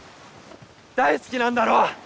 大好きなんだろ？